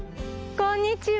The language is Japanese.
こんにちは